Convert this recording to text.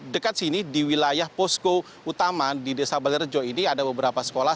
dekat sini di wilayah posko utama di desa balerejo ini ada beberapa sekolah